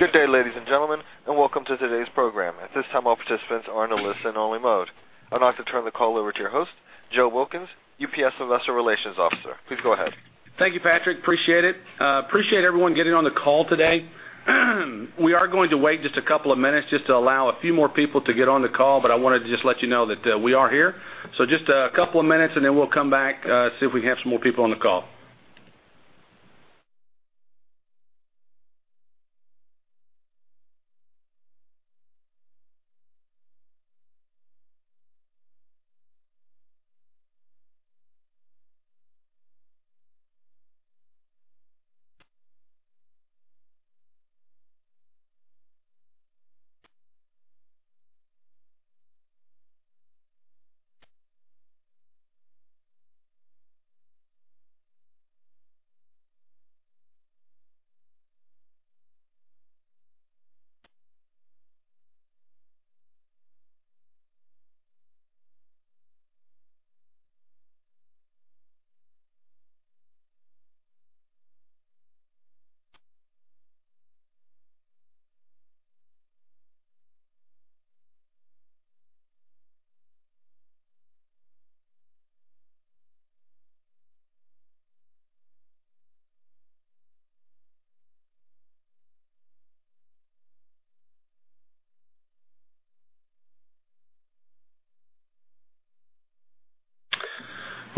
Good day, ladies and gentlemen, and welcome to today's program. At this time, all participants are in a listen-only mode. I'd like to turn the call over to your host, Joe Wilkins, UPS Investor Relations Officer. Please go ahead. Thank you, Patrick. Appreciate it. Appreciate everyone getting on the call today. We are going to wait just a couple of minutes just to allow a few more people to get on the call, but I wanted to just let you know that, we are here. So just a couple of minutes, and then we'll come back, see if we can have some more people on the call.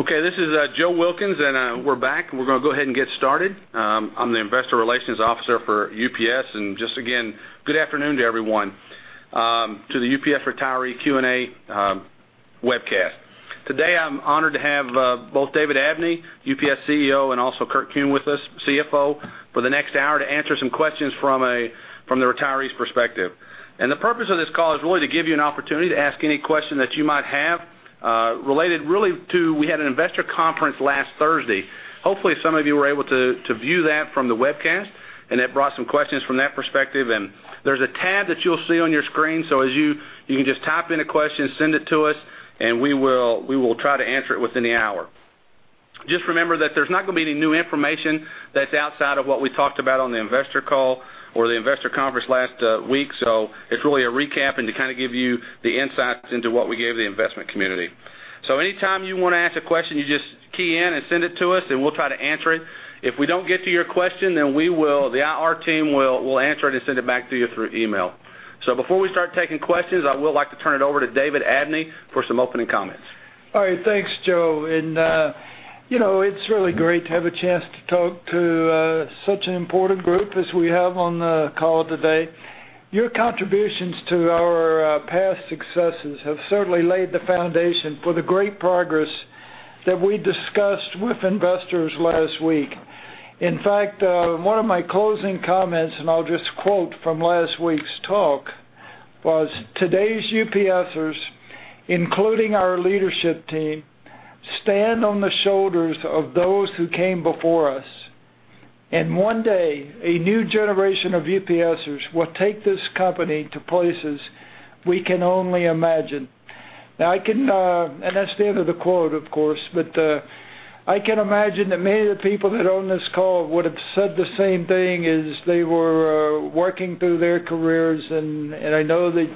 Okay, this is Joe Wilkins, and, we're back, and we're gonna go ahead and get started. I'm the Investor Relations Officer for UPS, and just again, good afternoon to everyone, to the UPS Retiree Q&A webcast. Today, I'm honored to have both David Abney, UPS CEO, and also Kurt Kuehn with us, CFO, for the next hour to answer some questions from the retirees' perspective. The purpose of this call is really to give you an opportunity to ask any question that you might have, related really to... We had an investor conference last Thursday. Hopefully, some of you were able to view that from the webcast, and that brought some questions from that perspective. There's a tab that you'll see on your screen, so you can just type in a question, send it to us, and we will try to answer it within the hour. Just remember that there's not gonna be any new information that's outside of what we talked about on the investor call or the investor conference last week. So it's really a recap and to kind of give you the insights into what we gave the investment community. So anytime you want to ask a question, you just key in and send it to us, and we'll try to answer it. If we don't get to your question, then the IR team will answer it and send it back to you through email. So before we start taking questions, I would like to turn it over to David Abney for some opening comments. All right. Thanks, Joe. And, you know, it's really great to have a chance to talk to, such an important group as we have on the call today. Your contributions to our, past successes have certainly laid the foundation for the great progress that we discussed with investors last week. In fact, one of my closing comments, and I'll just quote from last week's talk, was, "Today's UPSers, including our leadership team, stand on the shoulders of those who came before us. And one day, a new generation of UPSers will take this company to places we can only imagine." Now, I can... And that's the end of the quote, of course, but, I can imagine that many of the people that are on this call would have said the same thing as they were, working through their careers. And, and I know that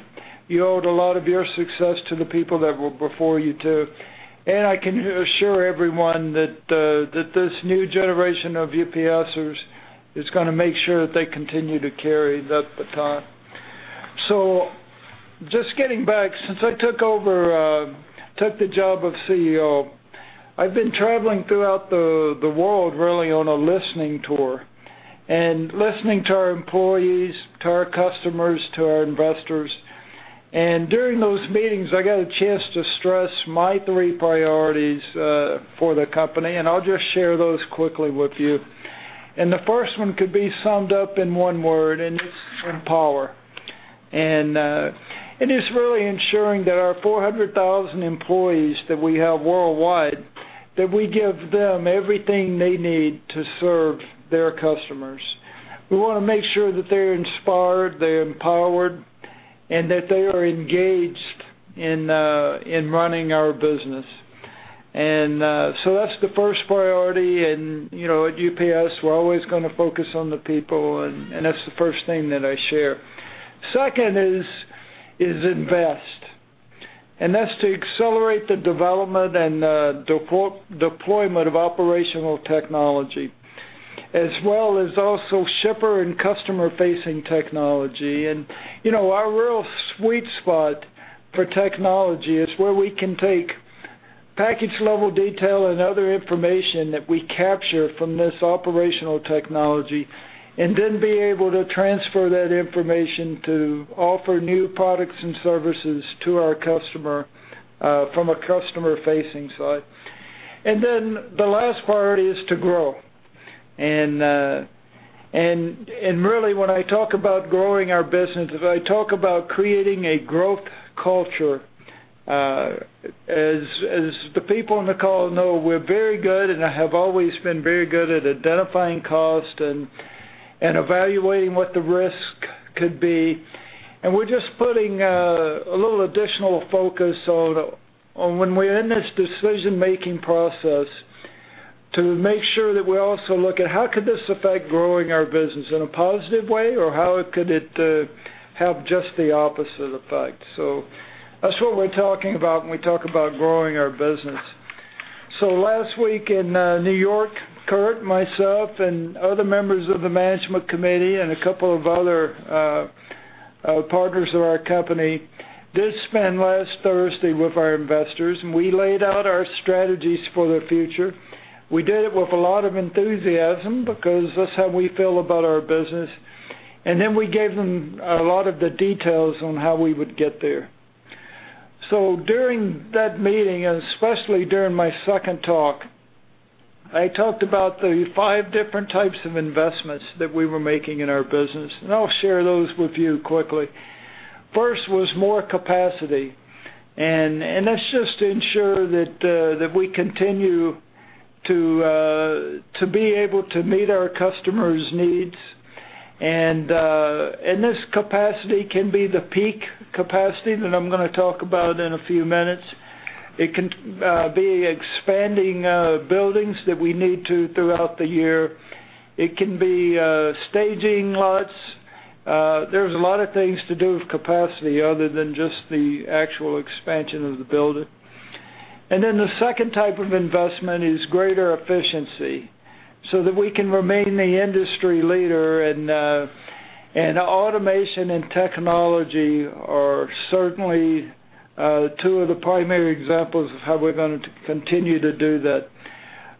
you owed a lot of your success to the people that were before you, too. And I can assure everyone that that this new generation of UPSers is gonna make sure that they continue to carry that baton. So just getting back, since I took over took the job of CEO, I've been traveling throughout the world, really on a listening tour and listening to our employees, to our customers, to our investors. And during those meetings, I got a chance to stress my three priorities for the company, and I'll just share those quickly with you. And the first one could be summed up in one word, and it's empower. And, and it's really ensuring that our 400,000 employees that we have worldwide, that we give them everything they need to serve their customers. We wanna make sure that they're inspired, they're empowered, and that they are engaged in running our business. And so that's the first priority. And, you know, at UPS, we're always gonna focus on the people, and that's the first thing that I share. Second is invest, and that's to accelerate the development and deployment of operational technology, as well as also shipper and customer-facing technology. And, you know, our real sweet spot for technology is where we can take package-level detail and other information that we capture from this operational technology, and then be able to transfer that information to offer new products and services to our customer from a customer-facing side. And then the last priority is to grow. And really, when I talk about growing our business, is I talk about creating a growth culture. As the people on the call know, we're very good, and have always been very good at identifying cost and evaluating what the risk could be. And we're just putting a little additional focus on when we're in this decision-making process to make sure that we also look at how could this affect growing our business in a positive way, or how could it have just the opposite effect? So that's what we're talking about when we talk about growing our business. So last week in New York, Kurt, myself, and other members of the management committee, and a couple of other partners of our company, did spend last Thursday with our investors, and we laid out our strategies for the future. We did it with a lot of enthusiasm because that's how we feel about our business, and then we gave them a lot of the details on how we would get there. So during that meeting, and especially during my second talk, I talked about the five different types of investments that we were making in our business, and I'll share those with you quickly. First was more capacity, and that's just to ensure that we continue to be able to meet our customers' needs. And this capacity can be the peak capacity that I'm gonna talk about in a few minutes. It can be expanding buildings that we need to throughout the year. It can be staging lots. There's a lot of things to do with capacity other than just the actual expansion of the building. And then, the second type of investment is greater efficiency so that we can remain the industry leader, and automation and technology are certainly two of the primary examples of how we're going to continue to do that.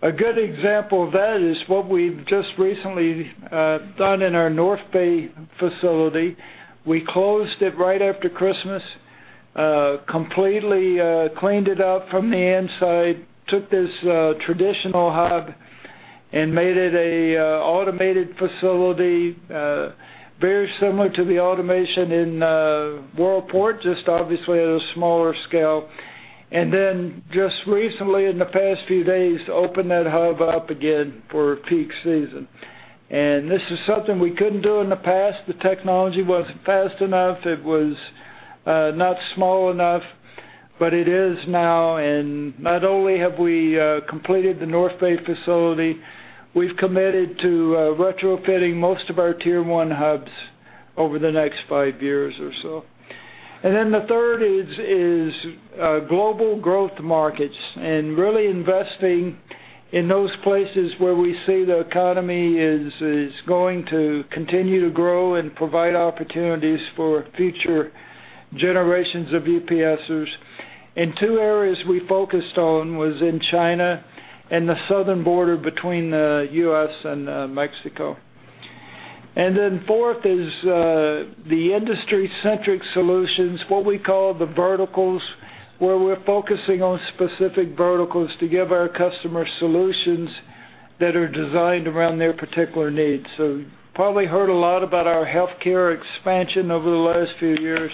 A good example of that is what we've just recently done in our North Bay facility. We closed it right after Christmas, completely cleaned it out from the inside, took this traditional hub and made it a automated facility, very similar to the automation in Worldport, just obviously at a smaller scale. And then, just recently, in the past few days, opened that hub up again for peak season. And this is something we couldn't do in the past. The technology wasn't fast enough. It was not small enough, but it is now. And not only have we completed the North Bay facility, we've committed to retrofitting most of our Tier One Hubs over the next five years or so. And then the third is global growth markets and really investing in those places where we see the economy is going to continue to grow and provide opportunities for future generations of UPSers. And two areas we focused on was in China and the southern border between the U.S. and Mexico. And then fourth is the industry-centric solutions, what we call the verticals, where we're focusing on specific verticals to give our customers solutions that are designed around their particular needs. So you've probably heard a lot about our healthcare expansion over the last few years.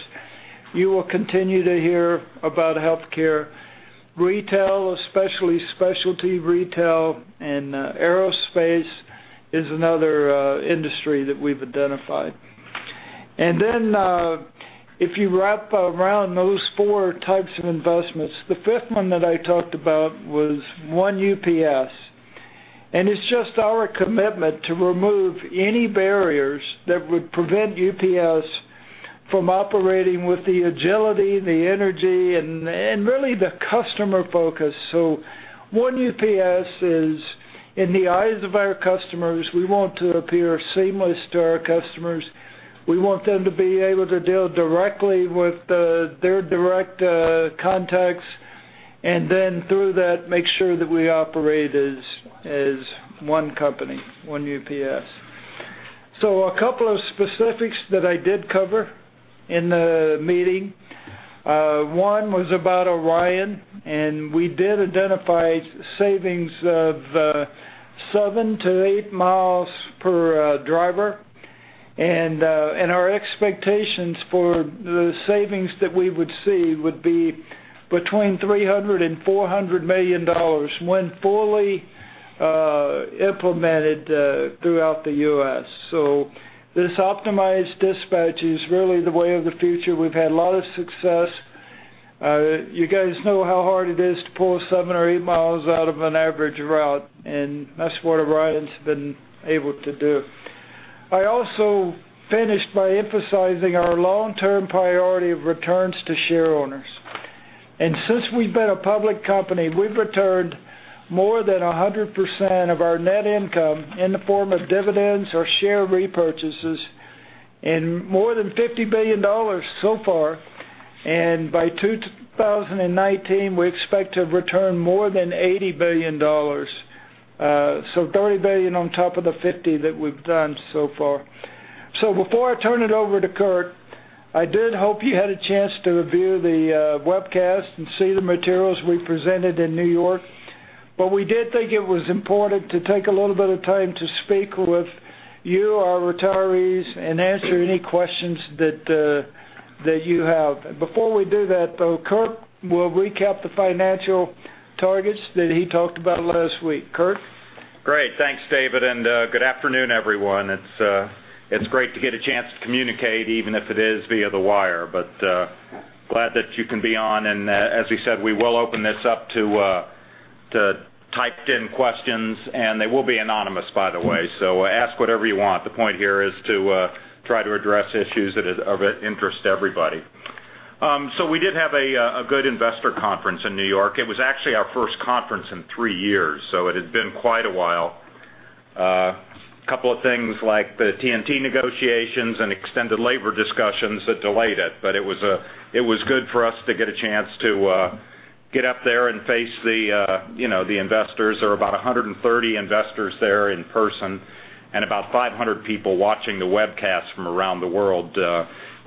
You will continue to hear about healthcare, retail, especially specialty retail, and aerospace is another industry that we've identified. And then, if you wrap around those four types of investments, the fifth one that I talked about was One UPS, and it's just our commitment to remove any barriers that would prevent UPS from operating with the agility, the energy, and really the customer focus. So One UPS is, in the eyes of our customers, we want to appear seamless to our customers. We want them to be able to deal directly with their direct contacts, and then through that, make sure that we operate as one company, One UPS. So a couple of specifics that I did cover in the meeting. One was about Orion, and we did identify savings of 7-8 miles per driver. Our expectations for the savings that we would see would be between $300 million and $400 million when fully implemented throughout the U.S. So this optimized dispatch is really the way of the future. We've had a lot of success. You guys know how hard it is to pull seven or eight miles out of an average route, and that's what ORION's been able to do. I also finished by emphasizing our long-term priority of returns to shareowners. Since we've been a public company, we've returned more than 100% of our net income in the form of dividends or share repurchases and more than $50 billion so far. By 2019, we expect to return more than $80 billion, so $30 billion on top of the $50 billion that we've done so far. So before I turn it over to Kurt, I did hope you had a chance to review the webcast and see the materials we presented in New York. But we did think it was important to take a little bit of time to speak with you, our retirees, and answer any questions that you have. Before we do that, though, Kurt will recap the financial targets that he talked about last week. Kurt? Great. Thanks, David, and good afternoon, everyone. It's great to get a chance to communicate, even if it is via the wire. But glad that you can be on. And as we said, we will open this up to typed in questions, and they will be anonymous, by the way. So ask whatever you want. The point here is to try to address issues that is of interest to everybody. So we did have a good investor conference in New York. It was actually our first conference in three years, so it had been quite a while. Couple of things like the TNT negotiations and extended labor discussions that delayed it, but it was good for us to get a chance to get up there and face the, you know, the investors. There were about 130 investors there in person, and about 500 people watching the webcast from around the world,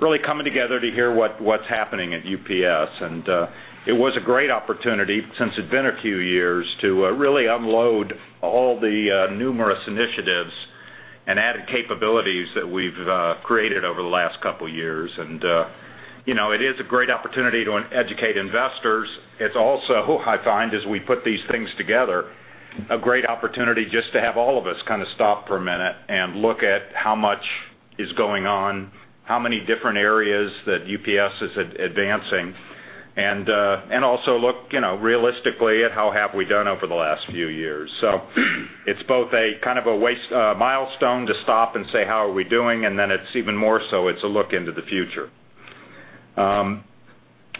really coming together to hear what's happening at UPS. It was a great opportunity, since it's been a few years, to really unload all the numerous initiatives and added capabilities that we've created over the last couple of years. You know, it is a great opportunity to educate investors. It's also, I find, as we put these things together, a great opportunity just to have all of us kind of stop for a minute and look at how much is going on, how many different areas that UPS is advancing, and also look, you know, realistically at how have we done over the last few years. So it's both a kind of a waste... Milestone to stop and say, "How are we doing?" And then it's even more so, it's a look into the future.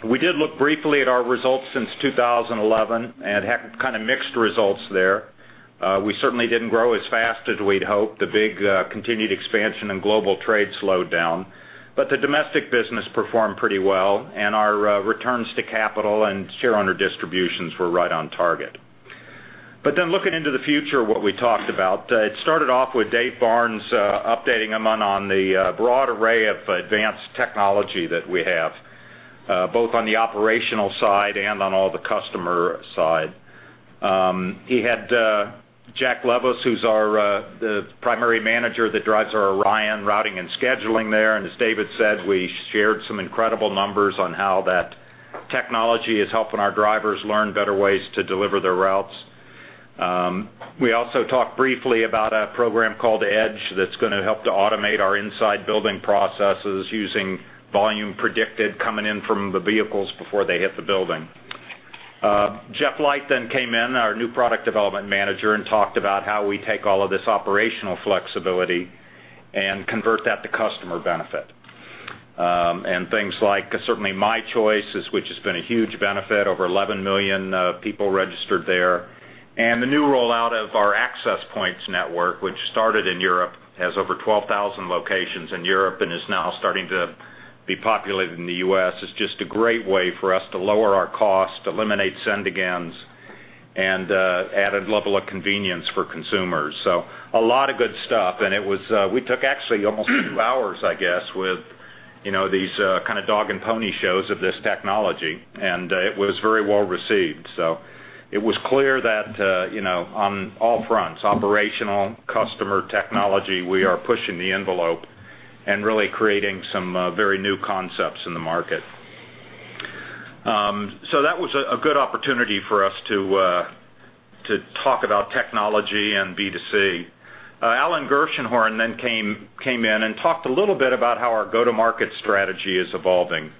We did look briefly at our results since 2011, and had kind of mixed results there. We certainly didn't grow as fast as we'd hoped. The big, continued expansion in global trade slowed down, but the domestic business performed pretty well, and our returns to capital and shareowner distributions were right on target. But then looking into the future, what we talked about, it started off with Dave Barnes, updating everyone on the broad array of advanced technology that we have, both on the operational side and on all the customer side. He had Jack Levis, who's our the primary manager that drives our Orion routing and scheduling there. And as David said, we shared some incredible numbers on how that technology is helping our drivers learn better ways to deliver their routes. We also talked briefly about a program called Edge, that's going to help to automate our inside building processes using volume predicted coming in from the vehicles before they hit the building. Geoff Light then came in, our new Product Development Manager, and talked about how we take all of this operational flexibility and convert that to customer benefit. And things like, certainly, My Choice, which has been a huge benefit, over 11 million people registered there. The new rollout of our Access Points network, which started in Europe, has over 12,000 locations in Europe and is now starting to be populated in the US, is just a great way for us to lower our cost, eliminate Send Agains, and add a level of convenience for consumers. So a lot of good stuff, and it was, we took actually almost two hours, I guess, with, you know, these, kind of dog and pony shows of this technology, and it was very well received. So it was clear that, you know, on all fronts, operational, customer, technology, we are pushing the envelope and really creating some, very new concepts in the market. So that was a good opportunity for us to talk about technology and B2C. Alan Gershenhorn then came in and talked a little bit about how our go-to-market strategy is evolving,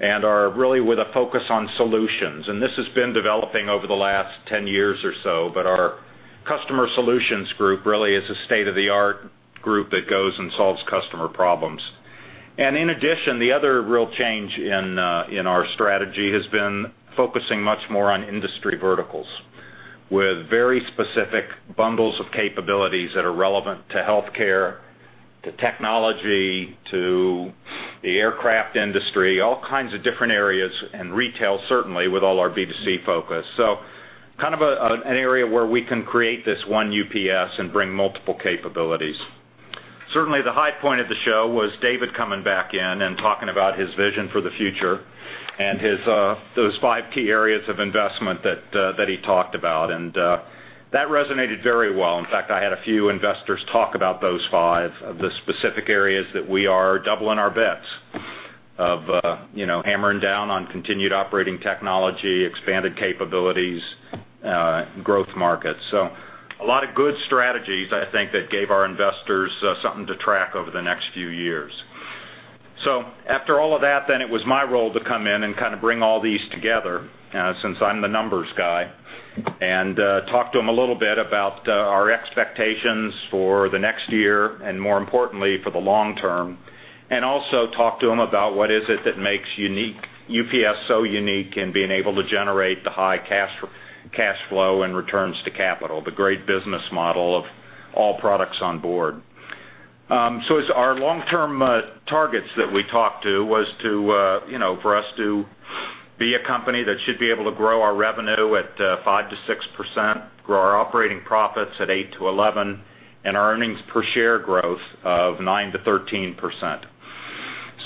and are really with a focus on solutions. And this has been developing over the last 10 years or so, but our Customer Solutions group really is a state-of-the-art group that goes and solves customer problems. And in addition, the other real change in our strategy has been focusing much more on industry verticals, with very specific bundles of capabilities that are relevant to healthcare, to technology, to the aircraft industry, all kinds of different areas, and retail, certainly with all our B2C focus. So kind of an area where we can create this One UPS and bring multiple capabilities. Certainly, the high point of the show was David coming back in and talking about his vision for the future and his, those five key areas of investment that, that he talked about, and that resonated very well. In fact, I had a few investors talk about those five, the specific areas that we are doubling our bets of, you know, hammering down on continued operating technology, expanded capabilities, growth markets. So a lot of good strategies, I think, that gave our investors something to track over the next few years. So after all of that, then it was my role to come in and kind of bring all these together, since I'm the numbers guy, and talk to them a little bit about our expectations for the next year, and more importantly, for the long term. Also talk to them about what it is that makes UPS so unique in being able to generate the high cash flow and returns to capital, the great business model of all products on board. So as our long-term targets that we talked to was to, you know, for us to be a company that should be able to grow our revenue at 5%-6%, grow our operating profits at 8%-11%, and our earnings per share growth of 9%-13%.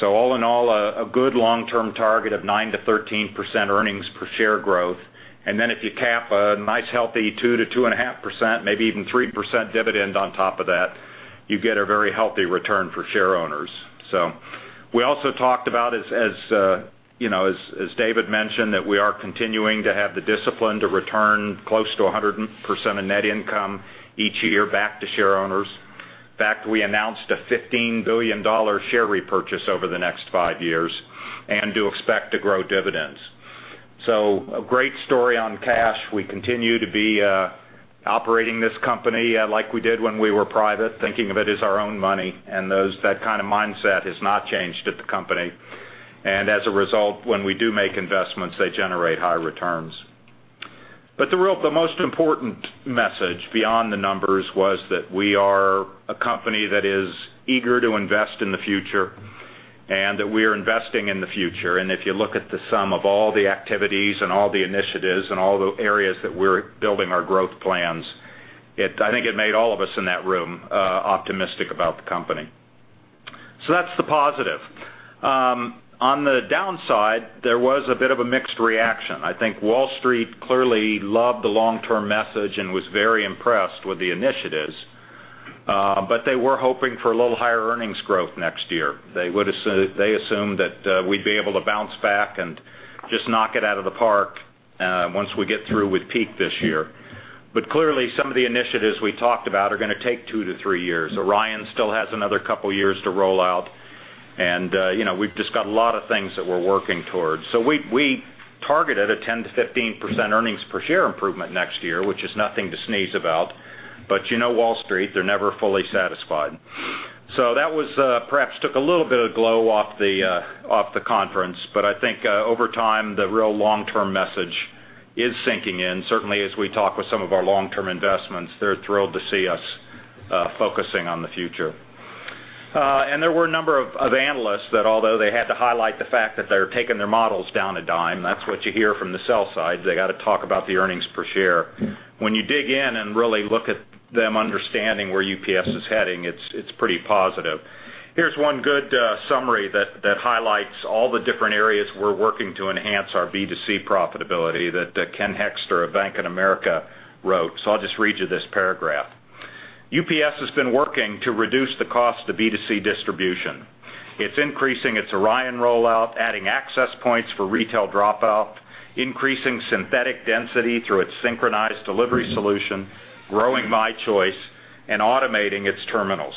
So all in all, a good long-term target of 9%-13% earnings per share growth. Then if you cap a nice, healthy, 2%-2.5%, maybe even 3% dividend on top of that, you get a very healthy return for shareowners. So we also talked about, as you know, as David mentioned, that we are continuing to have the discipline to return close to 100% of net income each year back to shareowners. In fact, we announced a $15 billion share repurchase over the next five years, and do expect to grow dividends. So a great story on cash. We continue to be operating this company like we did when we were private, thinking of it as our own money, and that kind of mindset has not changed at the company. And as a result, when we do make investments, they generate high returns. But the real, the most important message beyond the numbers was that we are a company that is eager to invest in the future, and that we are investing in the future. And if you look at the sum of all the activities and all the initiatives and all the areas that we're building our growth plans, it, I think it made all of us in that room optimistic about the company. So that's the positive. On the downside, there was a bit of a mixed reaction. I think Wall Street clearly loved the long-term message and was very impressed with the initiatives, but they were hoping for a little higher earnings growth next year. They would assume. They assumed that, we'd be able to bounce back and just knock it out of the park, once we get through with peak this year. But clearly, some of the initiatives we talked about are going to take 2-3 years. ORION still has another couple of years to roll out, and, you know, we've just got a lot of things that we're working towards. So we targeted a 10%-15% earnings per share improvement next year, which is nothing to sneeze about, but you know Wall Street, they're never fully satisfied. So that was perhaps took a little bit of glow off the conference, but I think over time, the real long-term message is sinking in. Certainly, as we talk with some of our long-term investments, they're thrilled to see us focusing on the future. And there were a number of analysts that, although they had to highlight the fact that they're taking their models down a dime, that's what you hear from the sell side. They got to talk about the earnings per share. When you dig in and really look at them understanding where UPS is heading, it's, it's pretty positive. Here's one good summary that highlights all the different areas we're working to enhance our B2C profitability that Ken Hoexter of Bank of America wrote. So I'll just read you this paragraph. "UPS has been working to reduce the cost of B2C distribution. It's increasing its ORION rollout, adding Access Points for retail drop-off, increasing synthetic density through its Synchronized Delivery Solution, growing My Choice, and automating its terminals.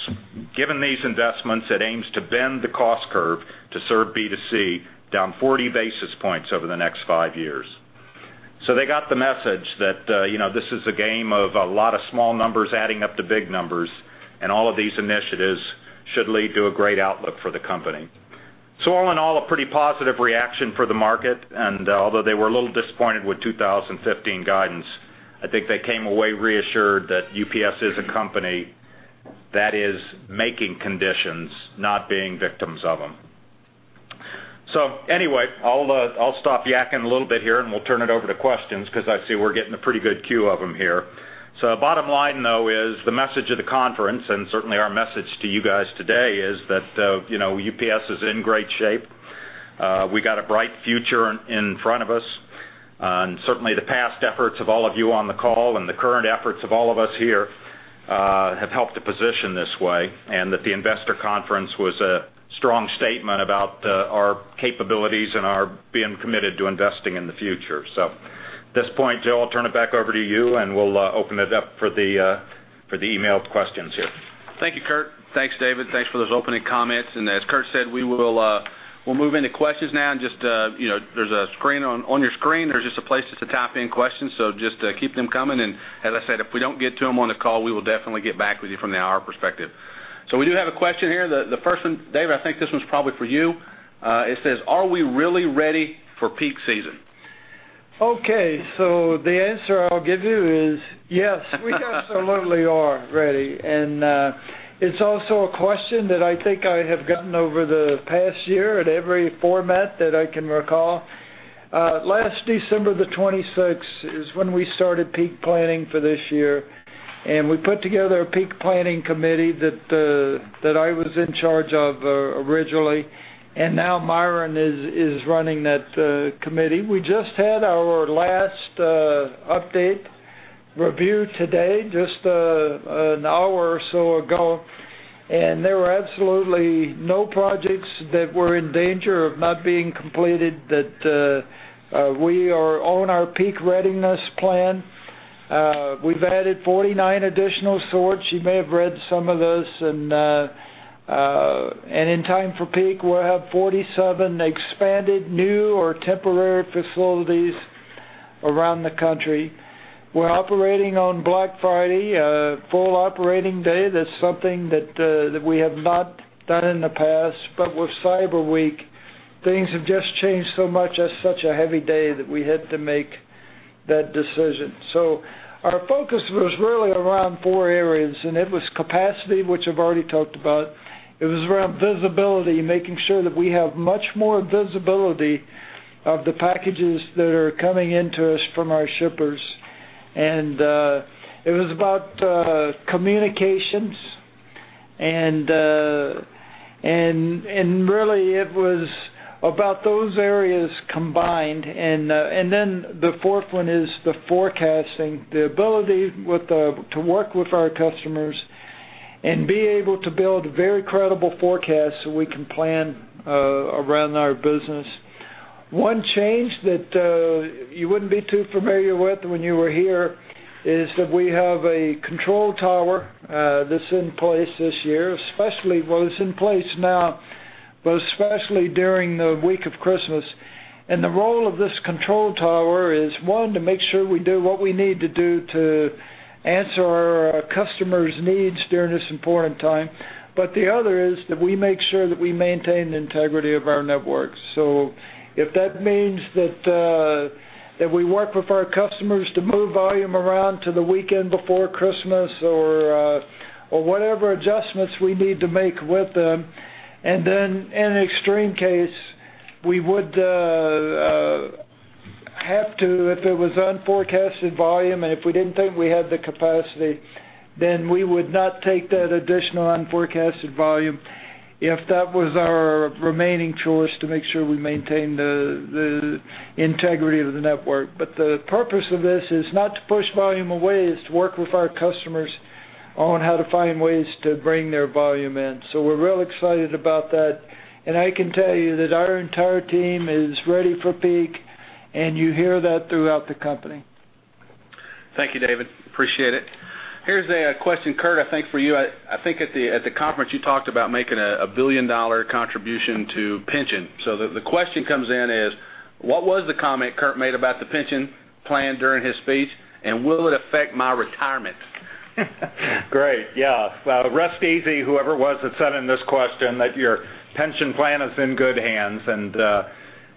Given these investments, it aims to bend the cost curve to serve B2C down 40 basis points over the next 5 years." So they got the message that, you know, this is a game of a lot of small numbers adding up to big numbers, and all of these initiatives should lead to a great outlook for the company. So all in all, a pretty positive reaction for the market, and although they were a little disappointed with 2015 guidance, I think they came away reassured that UPS is a company that is making conditions, not being victims of them. So anyway, I'll stop yakking a little bit here, and we'll turn it over to questions, 'cause I see we're getting a pretty good queue of them here. So bottom line, though, is the message of the conference, and certainly our message to you guys today is that you know, UPS is in great shape. We got a bright future in front of us, and certainly the past efforts of all of you on the call and the current efforts of all of us here have helped to position this way, and that the investor conference was a strong statement about our capabilities and our being committed to investing in the future. So at this point, Joe, I'll turn it back over to you, and we'll open it up for the emailed questions here. Thank you, Kurt. Thanks, David. Thanks for those opening comments. And as Kurt said, we will, we'll move into questions now. And just, you know, there's a screen on, on your screen, there's just a place just to type in questions. So just, keep them coming, and as I said, if we don't get to them on the call, we will definitely get back with you from the IR perspective. So we do have a question here. The first one, David, I think this one's probably for you. It says, "Are we really ready for peak season? Okay, so the answer I'll give you is, yes, we absolutely are ready. It's also a question that I think I have gotten over the past year at every format that I can recall. Last December 26th is when we started peak planning for this year, and we put together a peak planning committee that I was in charge of originally, and now Myron is running that committee. We just had our last update review today, just an hour or so ago, and there were absolutely no projects that were in danger of not being completed, that we are on our peak readiness plan. We've added 49 additional sorts. You may have read some of those, and in time for peak, we'll have 47 expanded, new or temporary facilities around the country. We're operating on Black Friday, a full operating day. That's something that, that we have not done in the past, but with Cyber Week, things have just changed so much. That's such a heavy day that we had to make that decision. So our focus was really around four areas, and it was capacity, which I've already talked about. It was around visibility, making sure that we have much more visibility of the packages that are coming into us from our shippers. And, it was about, communications, and, and really, it was about those areas combined. And, and then the fourth one is the forecasting, the ability to work with our customers and be able to build very credible forecasts so we can plan, around our business. ...One change that, you wouldn't be too familiar with when you were here is that we have a Control Tower, that's in place this year, especially. Well, it's in place now, but especially during the week of Christmas. And the role of this Control Tower is, one, to make sure we do what we need to do to answer our customers' needs during this important time. But the other is that we make sure that we maintain the integrity of our network. So if that means that, that we work with our customers to move volume around to the weekend before Christmas or, or whatever adjustments we need to make with them, and then in an extreme case, we would, have to, if there was unforecasted volume, and if we didn't think we had the capacity, then we would not take that additional unforecasted volume, if that was our remaining choice, to make sure we maintain the integrity of the network. But the purpose of this is not to push volume away, it's to work with our customers on how to find ways to bring their volume in. So we're real excited about that. And I can tell you that our entire team is ready for peak, and you hear that throughout the company. Thank you, David. Appreciate it. Here's a question, Kurt, I think for you. I think at the conference, you talked about making a $1 billion contribution to pension. So the question comes in is: What was the comment Kurt made about the pension plan during his speech, and will it affect my retirement? Great, yeah. Well, rest easy, whoever it was that sent in this question, that your pension plan is in good hands. And,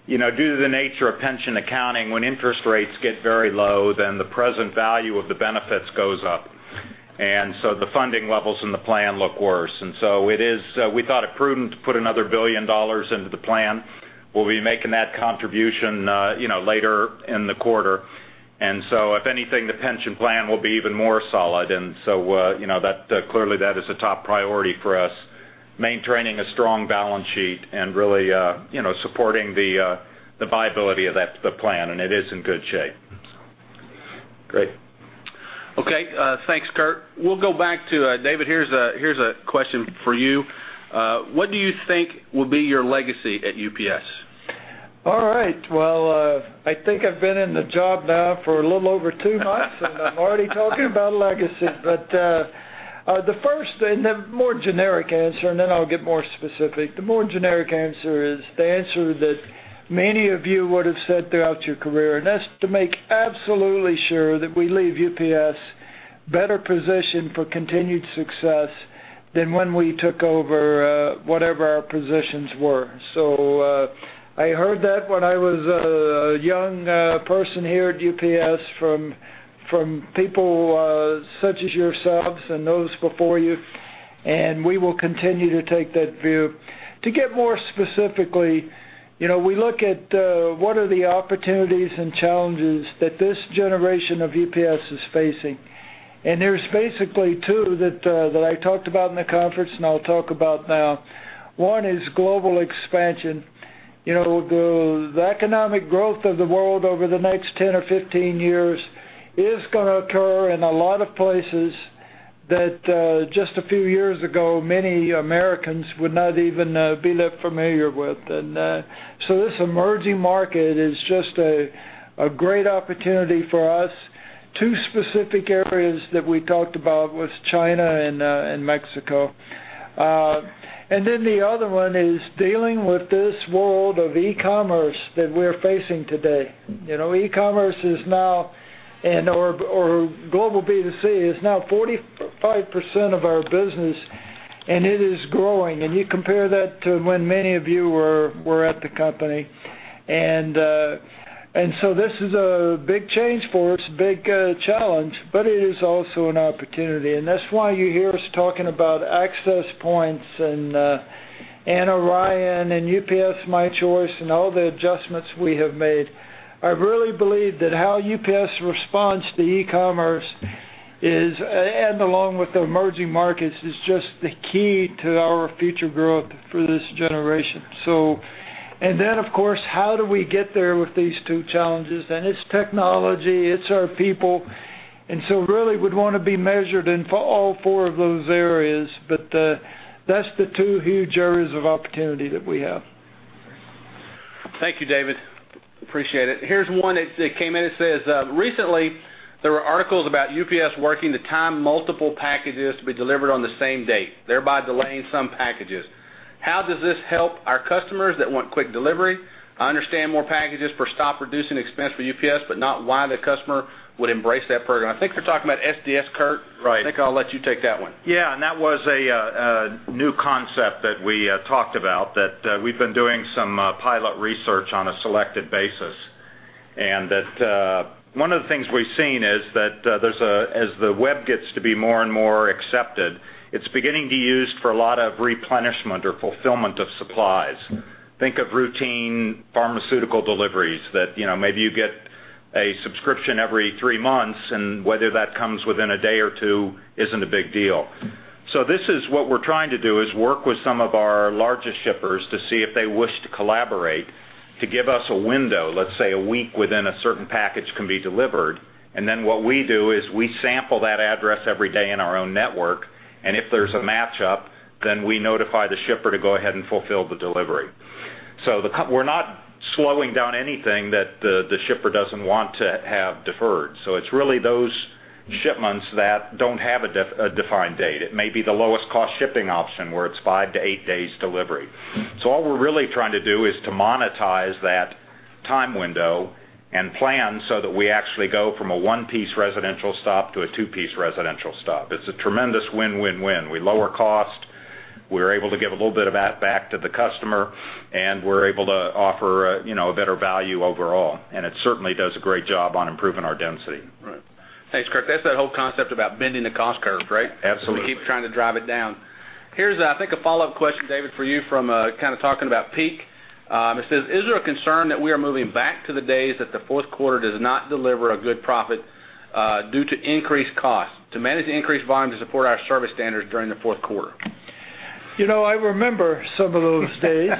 you know, due to the nature of pension accounting, when interest rates get very low, then the present value of the benefits goes up, and so the funding levels in the plan look worse. And so it is. We thought it prudent to put another $1 billion into the plan. We'll be making that contribution, you know, later in the quarter. And so if anything, the pension plan will be even more solid. And so, you know, that, clearly, that is a top priority for us, maintaining a strong balance sheet and really, you know, supporting the, the viability of that, the plan, and it is in good shape. Great. Okay, thanks, Kurt. We'll go back to David. Here's a question for you: What do you think will be your legacy at UPS? All right. Well, I think I've been in the job now for a little over two months, and I'm already talking about legacy. But, the first and the more generic answer, and then I'll get more specific. The more generic answer is the answer that many of you would have said throughout your career, and that's to make absolutely sure that we leave UPS better positioned for continued success than when we took over, whatever our positions were. So, I heard that when I was a young person here at UPS from people such as yourselves and those before you, and we will continue to take that view. To get more specifically, you know, we look at what are the opportunities and challenges that this generation of UPS is facing. There's basically two that that I talked about in the conference, and I'll talk about now. One is global expansion. You know, the economic growth of the world over the next 10 or 15 years is gonna occur in a lot of places that just a few years ago, many Americans would not even be that familiar with. And so this emerging market is just a great opportunity for us. Two specific areas that we talked about was China and and Mexico. And then the other one is dealing with this world of e-commerce that we're facing today. You know, e-commerce is now... and/or, or global B2C is now 45% of our business, and it is growing. And you compare that to when many of you were at the company, and so this is a big change for us, a big challenge, but it is also an opportunity. And that's why you hear us talking about access points and Orion and UPS My Choice, and all the adjustments we have made. I really believe that how UPS responds to e-commerce is, and along with the emerging markets, is just the key to our future growth for this generation. So. And then, of course, how do we get there with these two challenges? And it's technology, it's our people, and so really, we'd want to be measured in for all four of those areas. But that's the two huge areas of opportunity that we have. Thank you, David. Appreciate it. Here's one that, that came in. It says: Recently, there were articles about UPS working to time multiple packages to be delivered on the same date, thereby delaying some packages. How does this help our customers that want quick delivery? I understand more packages per stop, reducing expense for UPS, but not why the customer would embrace that program. I think they're talking about SDS, Kurt. Right. I think I'll let you take that one. Yeah, and that was a, a new concept that we, talked about, that, we've been doing some, pilot research on a selected basis. And that, one of the things we've seen is that, there's a-- as the web gets to be more and more accepted, it's beginning to be used for a lot of replenishment or fulfillment of supplies. Think of routine pharmaceutical deliveries that, you know, maybe you get a subscription every three months, and whether that comes within a day or two isn't a big deal. So this is what we're trying to do, is work with some of our largest shippers to see if they wish to collaborate, to give us a window, let's say, a week within a certain package can be delivered. And then what we do is we sample that address every day in our own network, and if there's a match-up, then we notify the shipper to go ahead and fulfill the delivery. So we're not slowing down anything that the shipper doesn't want to have deferred. So it's really those shipments that don't have a defined date. It may be the lowest cost shipping option, where it's 5-8 days delivery. So all we're really trying to do is to monetize that time window and plan so that we actually go from a 1-piece residential stop to a 2-piece residential stop. It's a tremendous win, win, win. We lower cost, we're able to give a little bit of that back to the customer, and we're able to offer, you know, a better value overall, and it certainly does a great job on improving our density. Right. Thanks, Kurt. That's that whole concept about bending the cost curve, right? Absolutely. We keep trying to drive it down. Here's, I think, a follow-up question, David, for you from, kind of talking about peak. It says, "Is there a concern that we are moving back to the days that the fourth quarter does not deliver a good profit, due to increased costs, to manage the increased volume to support our service standards during the fourth quarter? You know, I remember some of those days.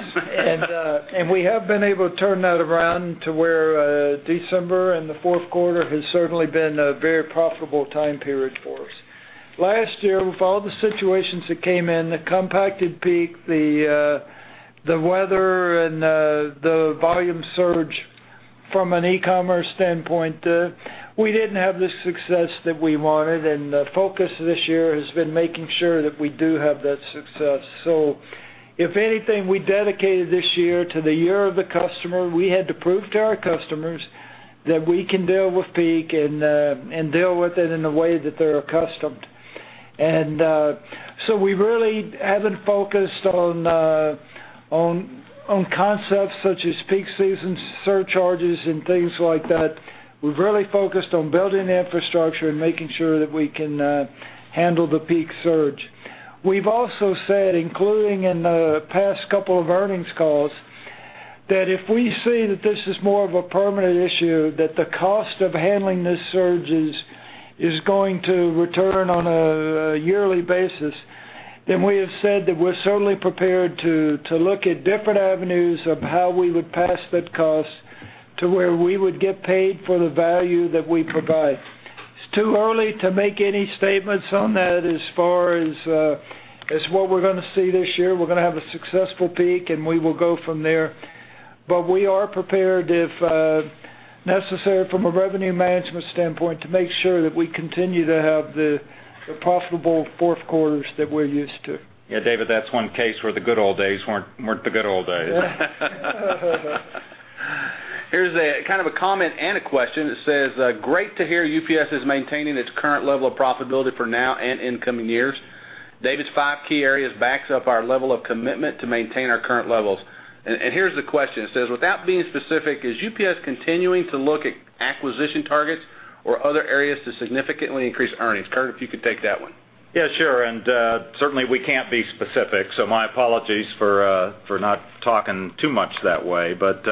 And we have been able to turn that around to where, December and the fourth quarter has certainly been a very profitable time period for us. Last year, with all the situations that came in, the compacted peak, the weather and the volume surge from an e-commerce standpoint, we didn't have the success that we wanted, and the focus this year has been making sure that we do have that success. So if anything, we dedicated this year to the year of the customer. We had to prove to our customers that we can deal with peak and deal with it in the way that they're accustomed. And so we really haven't focused on concepts such as peak season surcharges and things like that. We've really focused on building the infrastructure and making sure that we can handle the peak surge. We've also said, including in the past couple of earnings calls, that if we see that this is more of a permanent issue, that the cost of handling this surge is going to return on a yearly basis, then we have said that we're certainly prepared to look at different avenues of how we would pass that cost to where we would get paid for the value that we provide. It's too early to make any statements on that as far as what we're gonna see this year. We're gonna have a successful peak, and we will go from there. But we are prepared, if necessary, from a Revenue Management standpoint, to make sure that we continue to have the profitable fourth quarters that we're used to. Yeah, David, that's one case where the good old days weren't the good old days. Here's a kind of a comment and a question that says, "Great to hear UPS is maintaining its current level of profitability for now and in coming years. David's five key areas backs up our level of commitment to maintain our current levels." And here's the question. It says, "Without being specific, is UPS continuing to look at acquisition targets or other areas to significantly increase earnings?" Kurt, if you could take that one. Yeah, sure, and certainly, we can't be specific, so my apologies for, for not talking too much that way. But,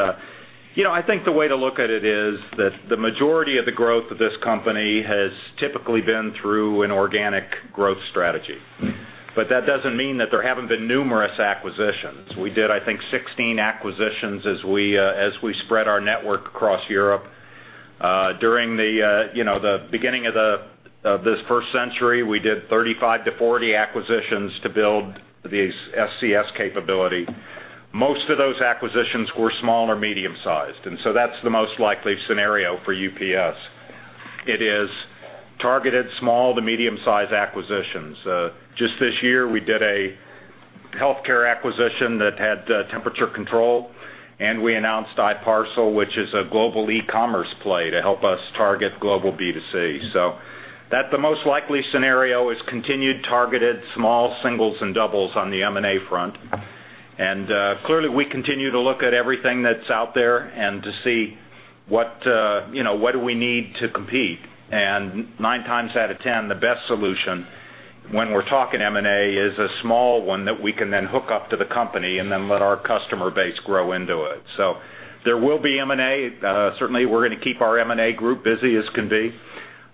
you know, I think the way to look at it is that the majority of the growth of this company has typically been through an organic growth strategy. But that doesn't mean that there haven't been numerous acquisitions. We did, I think, 16 acquisitions as we, as we spread our network across Europe. During the, you know, the beginning of the, of this first century, we did 35-40 acquisitions to build the SCS capability. Most of those acquisitions were small or medium-sized, and so that's the most likely scenario for UPS. It is targeted small to medium-sized acquisitions. Just this year, we did a healthcare acquisition that had temperature control, and we announced i-parcel, which is a global e-commerce play to help us target global B2C. So that's the most likely scenario, is continued targeted small singles and doubles on the M&A front. And clearly, we continue to look at everything that's out there and to see what, you know, what do we need to compete. And 9 times out of 10, the best solution when we're talking M&A, is a small one that we can then hook up to the company and then let our customer base grow into it. So there will be M&A. Certainly, we're going to keep our M&A group busy as can be,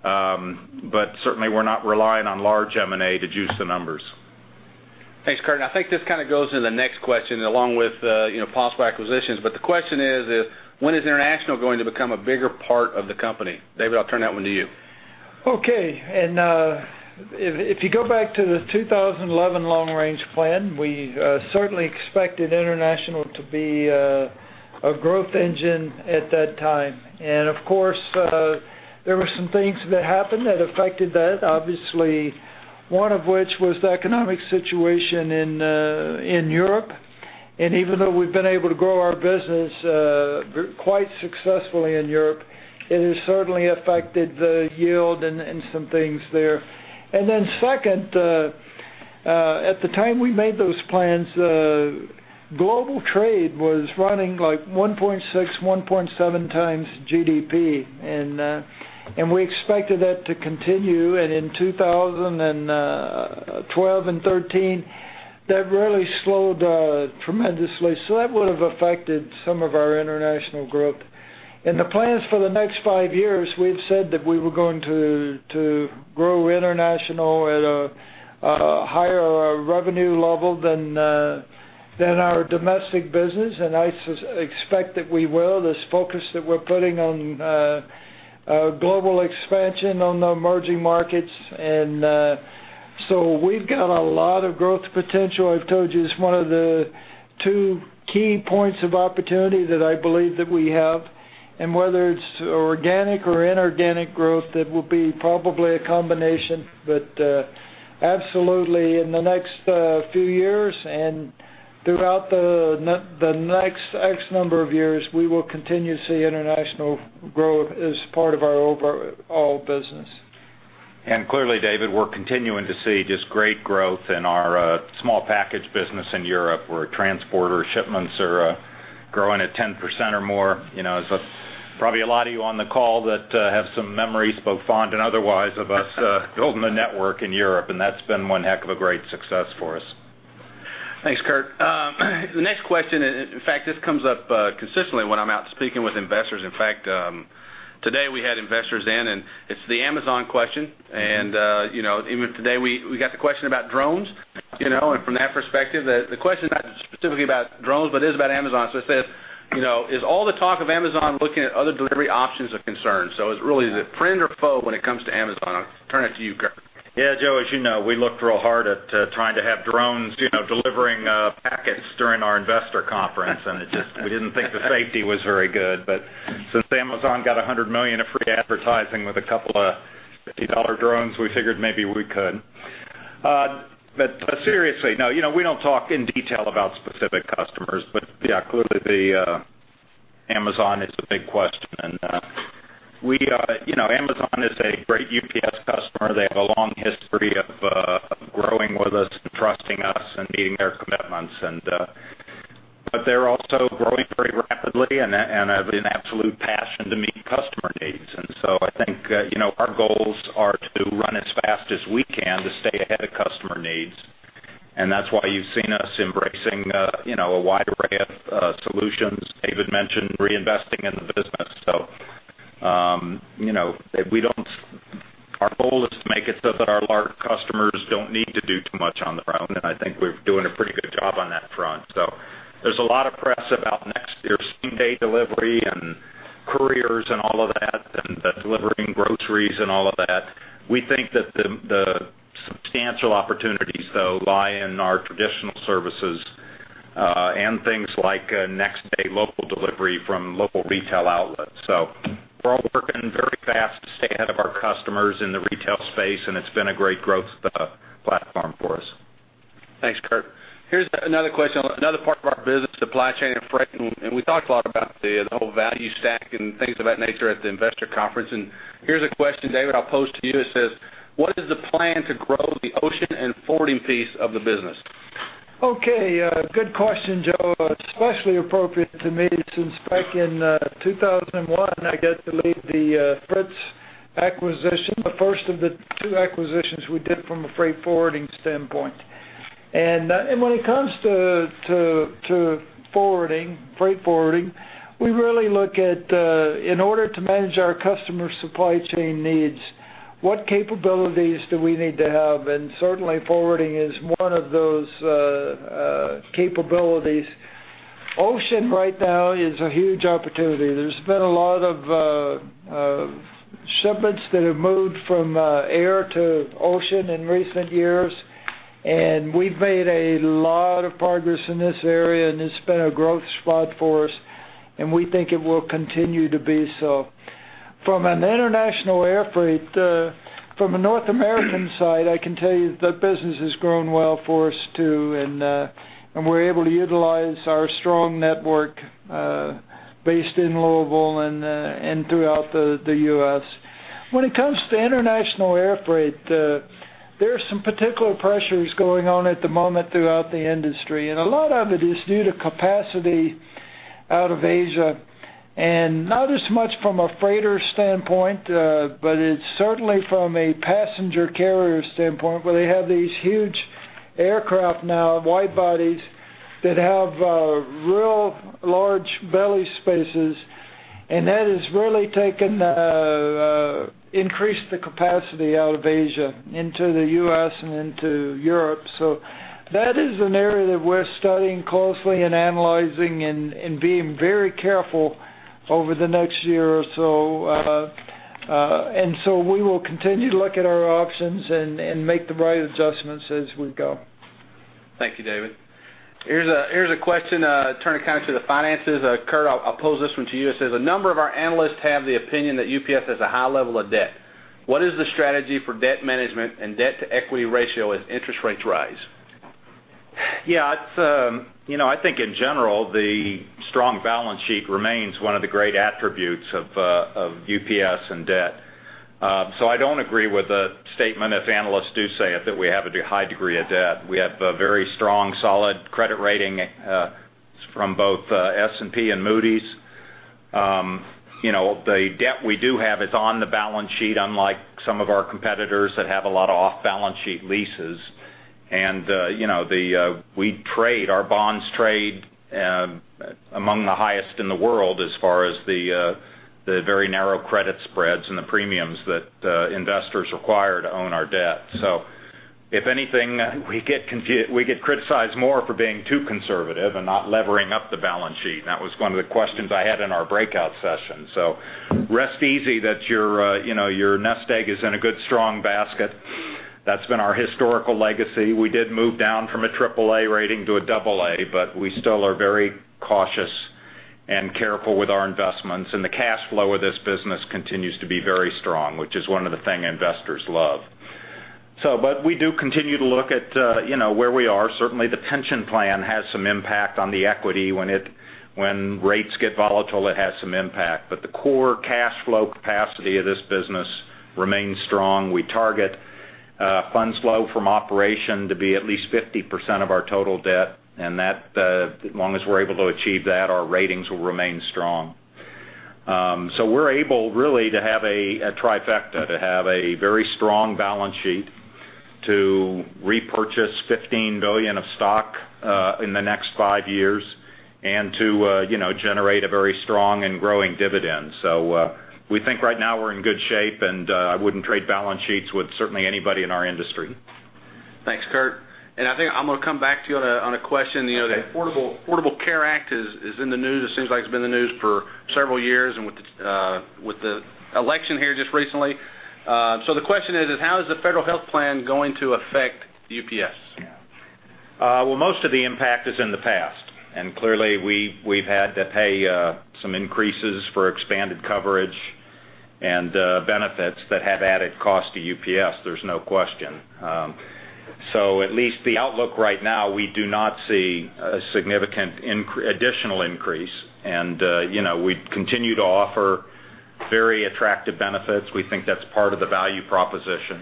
but certainly, we're not relying on large M&A to juice the numbers. Thanks, Kurt. I think this kind of goes to the next question, along with, you know, possible acquisitions, but the question is, is: When is international going to become a bigger part of the company? David, I'll turn that one to you. Okay, and if you go back to the 2011 long-range plan, we certainly expected international to be a growth engine at that time. And of course, there were some things that happened that affected that, obviously, one of which was the economic situation in Europe. And even though we've been able to grow our business quite successfully in Europe, it has certainly affected the yield and some things there. And then second, at the time we made those plans, global trade was running, like, 1.6, 1.7 times GDP, and we expected that to continue. And in 2000, 2012, and 2013, that really slowed tremendously. So that would have affected some of our international growth. In the plans for the next five years, we've said that we were going to grow international at a higher revenue level than our domestic business, and I expect that we will. This focus that we're putting on global expansion on the emerging markets. So we've got a lot of growth potential. I've told you, it's one of the two key points of opportunity that I believe that we have, and whether it's organic or inorganic growth, that will be probably a combination. But absolutely, in the next few years and throughout the next X number of years, we will continue to see international growth as part of our overall business. And clearly, David, we're continuing to see just great growth in our small package business in Europe, where transborder shipments are growing at 10% or more. You know, there's probably a lot of you on the call that have some memories, both fond and otherwise, of us building the network in Europe, and that's been one heck of a great success for us. Thanks, Kurt. The next question, in fact, this comes up consistently when I'm out speaking with investors. In fact, today, we had investors in, and it's the Amazon question. And, you know, even today, we got the question about drones, you know, and from that perspective, the question is not specifically about drones, but it is about Amazon. So it says, you know, "Is all the talk of Amazon looking at other delivery options of concern?" So it's really, is it friend or foe when it comes to Amazon? I'll turn it to you, Kurt. Yeah, Joe, as you know, we looked real hard at trying to have drones, you know, delivering packets during our investor conference. And it just, we didn't think the safety was very good. But since Amazon got 100 million of free advertising with a couple of $50 drones, we figured maybe we could. But seriously, no, you know, we don't talk in detail about specific customers, but yeah, clearly, the Amazon is a big question. And, we, you know, Amazon is a great UPS customer. They have a long history of, of growing with us and trusting us and meeting their commitments. And, but they're also growing pretty rapidly and, and have an absolute passion to meet customer needs. I think, you know, our goals are to run as fast as we can to stay ahead of customer needs. That's why you've seen us embracing, you know, a wide array of solutions. David mentioned reinvesting in the business. So, you know, we don't-- our goal is to make it so that our large customers don't need to do too much on their own, and I think we're doing a pretty good job on that front. So there's a lot of press about next year, same-day delivery and couriers and all of that, and the delivering groceries and all of that. We think that the substantial opportunities, though, lie in our traditional services, and things like next-day local delivery from local retail outlets. We're all working very fast to stay ahead of our customers in the retail space, and it's been a great growth platform for us. Thanks, Kurt. Here's another question, another part of our business, supply chain and freight. We talked a lot about the whole value stack and things of that nature at the investor conference. Here's a question, David, I'll pose to you. It says, "What is the plan to grow the ocean and forwarding piece of the business? Okay, good question, Joe. Especially appropriate to me, since back in 2001, I got to lead the Fritz acquisition, the first of the two acquisitions we did from a freight forwarding standpoint. And when it comes to forwarding, freight forwarding, we really look at in order to manage our customer supply chain needs, what capabilities do we need to have? And certainly, forwarding is one of those capabilities. Ocean right now is a huge opportunity. There's been a lot of shipments that have moved from air to ocean in recent years, and we've made a lot of progress in this area, and it's been a growth spot for us, and we think it will continue to be so. From an international air freight, from a North American side, I can tell you the business has grown well for us, too, and, and we're able to utilize our strong network, based in Louisville and and throughout the U.S. When it comes to international air freight, there are some particular pressures going on at the moment throughout the industry, and a lot of it is due to capacity out of Asia, and not as much from a freighter standpoint, but it's certainly from a passenger carrier standpoint, where they have these huge aircraft now, wide bodies, that have, real large belly spaces, and that has really taken, increased the capacity out of Asia into the U.S. and into Europe. So that is an area that we're studying closely and analyzing and being very careful over the next year or so. And so we will continue to look at our options and make the right adjustments as we go. Thank you, David. Here's a question, turning kind of to the finances. Kurt, I'll pose this one to you. It says, "A number of our analysts have the opinion that UPS has a high level of debt. What is the strategy for debt management and debt-to-equity ratio as interest rates rise? Yeah, it's, you know, I think in general, the strong balance sheet remains one of the great attributes of UPS and debt. So I don't agree with the statement, if analysts do say it, that we have a high degree of debt. We have a very strong, solid credit rating from both S&P and Moody's. You know, the debt we do have is on the balance sheet, unlike some of our competitors that have a lot of off-balance sheet leases. And, you know, we trade, our bonds trade among the highest in the world as far as the very narrow credit spreads and the premiums that investors require to own our debt. So if anything, we get criticized more for being too conservative and not levering up the balance sheet. That was one of the questions I had in our breakout session. So rest easy that your, you know, your nest egg is in a good, strong basket.... That's been our historical legacy. We did move down from a triple A rating to a double A, but we still are very cautious and careful with our investments, and the cash flow of this business continues to be very strong, which is one of the thing investors love. So but we do continue to look at, you know, where we are. Certainly, the pension plan has some impact on the equity. When rates get volatile, it has some impact. But the core cash flow capacity of this business remains strong. We target Funds Flow from Operations to be at least 50% of our total debt, and that, as long as we're able to achieve that, our ratings will remain strong. So we're able really to have a trifecta, to have a very strong balance sheet, to repurchase $15 billion of stock in the next 5 years, and to you know, generate a very strong and growing dividend. So we think right now we're in good shape, and I wouldn't trade balance sheets with certainly anybody in our industry. Thanks, Kurt. And I think I'm going to come back to you on a question. Okay. The Affordable Care Act is in the news. It seems like it's been in the news for several years and with the election here just recently. So the question is: how is the federal health plan going to affect UPS? Well, most of the impact is in the past, and clearly, we’ve had to pay some increases for expanded coverage and benefits that have added cost to UPS. There’s no question. So at least the outlook right now, we do not see a significant additional increase, and you know, we continue to offer very attractive benefits. We think that’s part of the value proposition.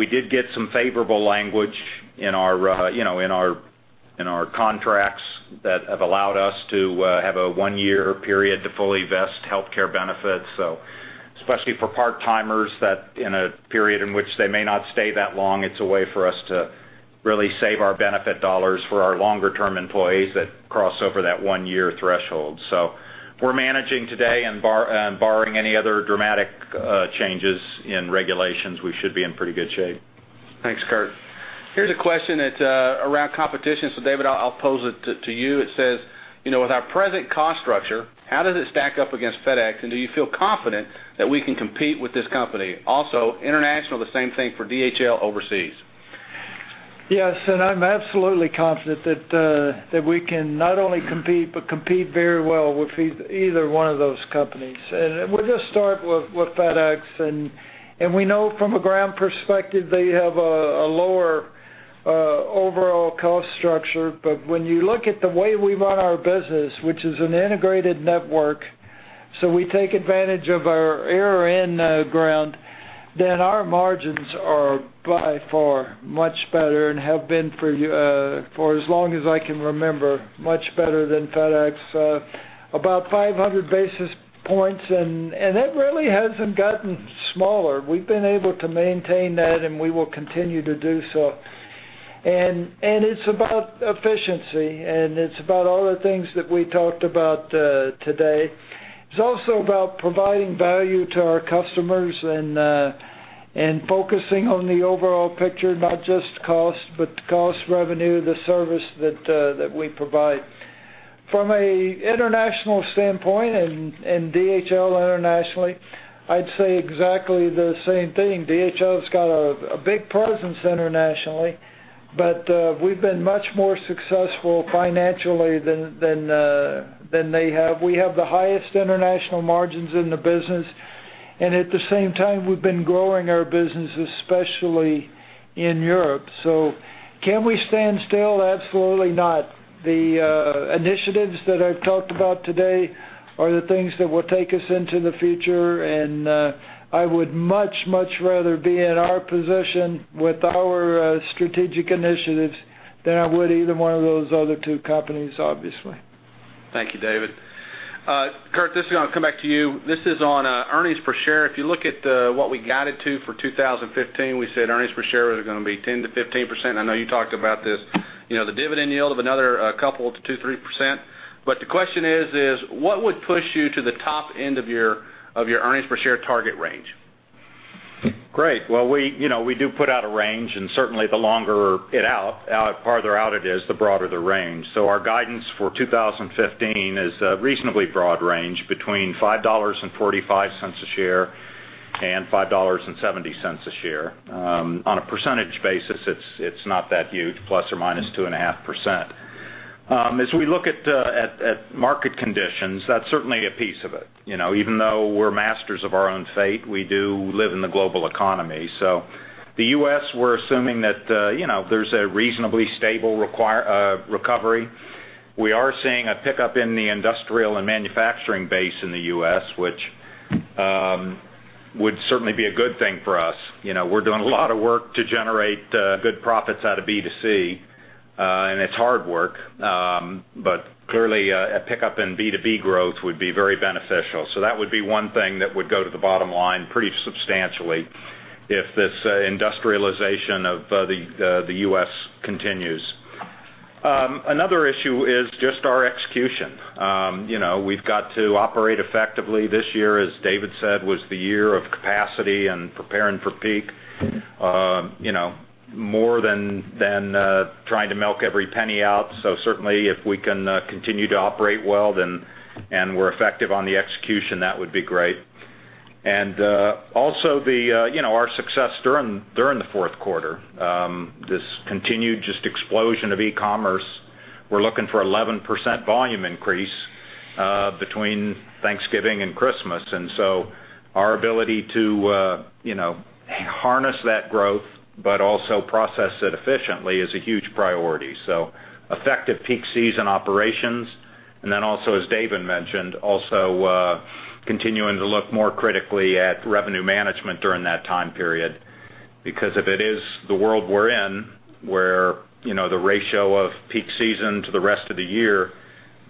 We did get some favorable language in our, you know, contracts that have allowed us to have a one-year period to fully vest healthcare benefits. So especially for part-timers, that, in a period in which they may not stay that long, it’s a way for us to really save our benefit dollars for our longer-term employees that cross over that one-year threshold. So we're managing today, and barring any other dramatic changes in regulations, we should be in pretty good shape. Thanks, Kurt. Here's a question that around competition. So David, I'll pose it to you. It says, you know, with our present cost structure, how does it stack up against FedEx, and do you feel confident that we can compete with this company? Also, international, the same thing for DHL overseas. Yes, and I'm absolutely confident that we can not only compete, but compete very well with either one of those companies. And we'll just start with FedEx, and we know from a Ground perspective, they have a lower overall cost structure. But when you look at the way we run our business, which is an integrated network, so we take advantage of our air and Ground, then our margins are by far much better and have been for as long as I can remember, much better than FedEx. About 500 basis points, and that really hasn't gotten smaller. We've been able to maintain that, and we will continue to do so. And it's about efficiency, and it's about all the things that we talked about today. It's also about providing value to our customers and, and focusing on the overall picture, not just cost, but cost, revenue, the service that, that we provide. From an international standpoint and, and DHL internationally, I'd say exactly the same thing. DHL has got a big presence internationally, but, we've been much more successful financially than, than they have. We have the highest international margins in the business, and at the same time, we've been growing our business, especially in Europe. So can we stand still? Absolutely not. The initiatives that I've talked about today are the things that will take us into the future, and, I would much, much rather be in our position with our strategic initiatives than I would either one of those other two companies, obviously. Thank you, David. Kurt, this is gonna come back to you. This is on earnings per share. If you look at what we guided to for 2015, we said earnings per share were gonna be 10%-15%. I know you talked about this, you know, the dividend yield of another couple to 2-3%. But the question is, what would push you to the top end of your earnings per share target range? Great. Well, you know, we do put out a range, and certainly, the longer out farther out it is, the broader the range. So our guidance for 2015 is a reasonably broad range, between $5.45 a share and $5.70 a share. On a percentage basis, it's not that huge, ±2.5%. As we look at market conditions, that's certainly a piece of it. You know, even though we're masters of our own fate, we do live in the global economy. So the U.S., we're assuming that, you know, there's a reasonably stable recovery. We are seeing a pickup in the industrial and manufacturing base in the U.S., which would certainly be a good thing for us. You know, we're doing a lot of work to generate good profits out of B2C, and it's hard work, but clearly, a pickup in B2B growth would be very beneficial. So that would be one thing that would go to the bottom line pretty substantially if this industrialization of the U.S. continues. Another issue is just our execution. You know, we've got to operate effectively. This year, as David said, was the year of capacity and preparing for peak. You know, more than trying to milk every penny out. So certainly, if we can continue to operate well, then, and we're effective on the execution, that would be great. And also, you know, our success during the fourth quarter, this continued just explosion of e-commerce. We're looking for 11% volume increase between Thanksgiving and Christmas. And so our ability to, you know, harness that growth, but also process it efficiently is a huge priority. So effective peak season operations, and then also, as David mentioned, also continuing to look more critically at revenue management during that time period. Because if it is the world we're in, where, you know, the ratio of peak season to the rest of the year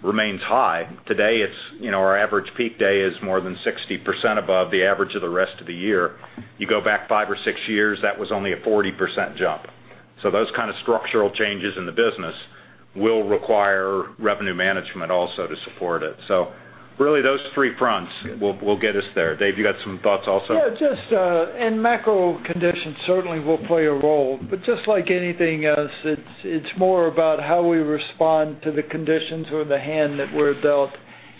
remains high. Today, it's, you know, our average peak day is more than 60% above the average of the rest of the year. You go back five or six years, that was only a 40% jump. So those kind of structural changes in the business will require revenue management also to support it. So really, those three fronts will, will get us there. Dave, you got some thoughts also? Yeah, just and macro conditions certainly will play a role, but just like anything else, it's more about how we respond to the conditions or the hand that we're dealt.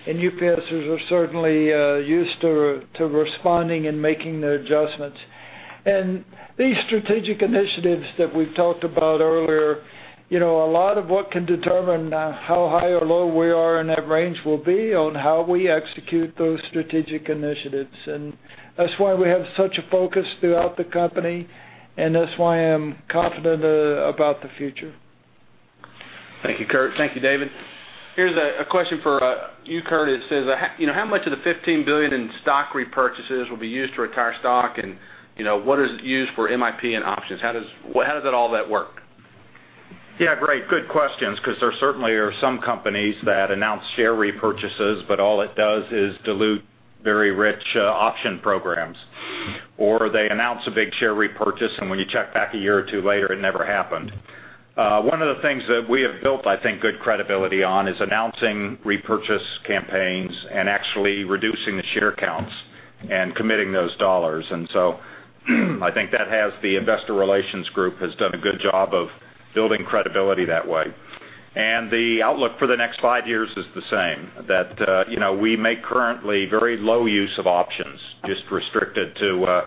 And UPSers are certainly used to responding and making the adjustments. And these strategic initiatives that we've talked about earlier, you know, a lot of what can determine how high or low we are in that range will be on how we execute those strategic initiatives. And that's why we have such a focus throughout the company, and that's why I'm confident about the future. Thank you, Kurt. Thank you, David. Here's a question for you, Kurt. It says, "you know, how much of the $15 billion in stock repurchases will be used to retire stock? And, you know, what is it used for MIP and options? Well, how does all that work? Yeah, great, good questions, 'cause there certainly are some companies that announce share repurchases, but all it does is dilute very rich option programs. Or they announce a big share repurchase, and when you check back a year or two later, it never happened. One of the things that we have built, I think, good credibility on, is announcing repurchase campaigns and actually reducing the share counts and committing those dollars. And so, I think that has the Investor Relations group has done a good job of building credibility that way. And the outlook for the next five years is the same, that, you know, we make currently very low use of options, just restricted to